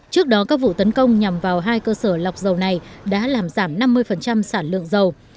trước đó các vụ tấn công nhằm vào hai cơ sở lọc dầu này đã làm giảm năm mươi sản lượng dầu